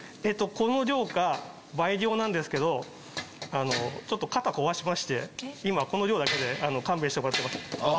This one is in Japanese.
この量か倍量なんですけどちょっと肩こわしましてこの量で勘弁してもらってます。